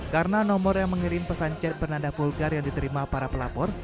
karena nomor yang mengirim pesan chat bernanda vulgar yang diterima para pelapor